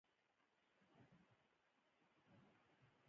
کلي د خلکو له اعتقاداتو سره تړاو لري.